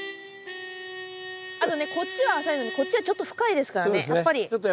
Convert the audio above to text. あとねこっちは浅いのにこっちはちょっと深いですからね。